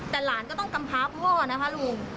แต่หลานก็ต้องกำพาพ่อนะคะลุง